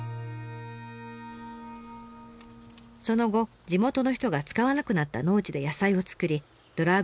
その後地元の人が使わなくなった農地で野菜を作りドラァグ